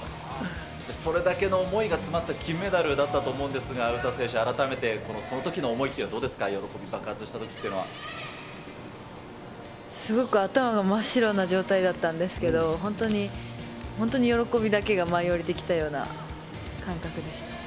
それだけの思いが詰まった金メダルだったと思うんですが、詩選手、改めてそのときの思いってどうですか、喜び爆発したときっていうすごく頭が真っ白な状態だったんですけど、本当に、本当に喜びだけが舞い降りてきたような感覚でした。